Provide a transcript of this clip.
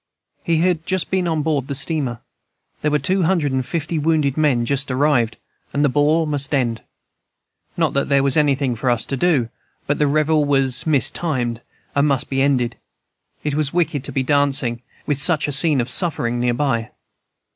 He had just been on board the steamer; there were two hundred and fifty wounded men just arrived, and the ball must end. Not that there was anything for us to do; but the revel was mistimed, and must be ended; it was wicked to be dancing, with such a scene of suffering near by.